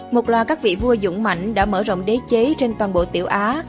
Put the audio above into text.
một loạt các vị vua dũng mạnh đã mở rộng đế chế trên toàn bộ tiểu á